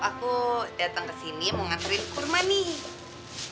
aku datang kesini mau ngaterin kurma nih